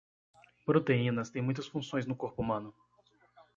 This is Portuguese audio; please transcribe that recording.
Proteínas têm muitas funções no corpo humano.